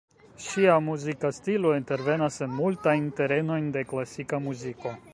Ŝia muzika stilo intervenas en multajn terenojn de klasika muziko.